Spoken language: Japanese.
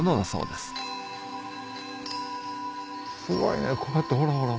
すごいねこうやってほらほら。